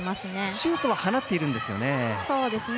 シュートは放っているんですよね。